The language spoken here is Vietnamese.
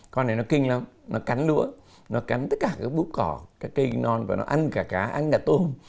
con này nó kinh lắm nó cắn lũa nó cắn tất cả các búp cỏ các cây non và nó ăn cả cá ăn cả tôm